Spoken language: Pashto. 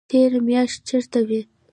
تېره میاشت چیرته وئ؟